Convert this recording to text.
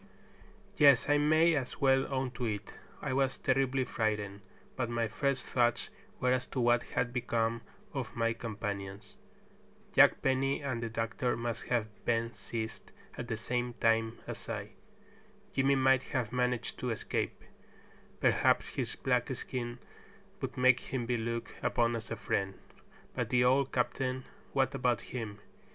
Yes, I may as well own to it: I was terribly frightened, but my first thoughts were as to what had become of my companions. Jack Penny and the doctor must have been seized at the same time as I. Jimmy might have managed to escape. Perhaps his black skin would make him be looked upon as a friend. But the old captain, what about him?